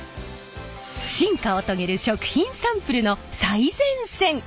進化を遂げる食品サンプルの最前線。